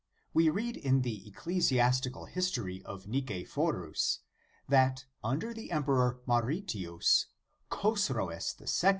We read in the Ecclesiastical History of Nicephorus, that under the emperor Mauritius, Chosroes II.